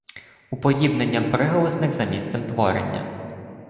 Уподібнення приголосних за місцем творення